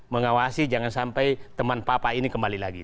mengawasi jangan sampai teman papa ini kembali lagi